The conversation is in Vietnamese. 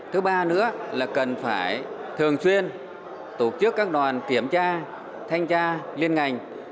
thứ ba nữa là cần phải thường xuyên tổ chức các đoàn kiểm tra thanh tra liên ngành